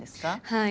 はい。